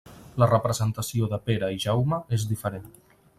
La representació de Pere i Jaume és diferent.